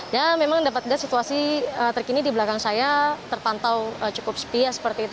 dan memang dapat ada situasi terkini di belakang saya terpantau cukup sepi seperti itu